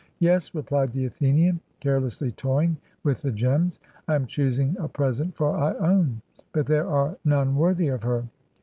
'Yes,' replied the Athenian, carelessly toying with the gems; 'I am choosing a present for lone; but there are none worthy of her.'